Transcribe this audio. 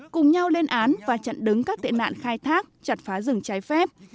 cùng nhau lên án và chặn đứng các tệ nạn khai thác chặt phá rừng trái phép